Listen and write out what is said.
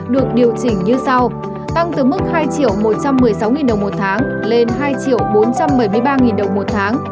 được điều chỉnh như sau tăng từ mức hai triệu một trăm một mươi sáu đồng một tháng lên hai bốn trăm bảy mươi ba đồng một tháng